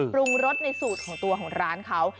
ปรุงรสในสูตรของตัวของร้านเขา